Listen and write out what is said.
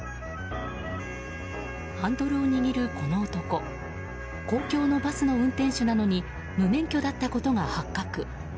ハンドルを握る、この男公共のバスの運転手なのに無免許だったことが発覚。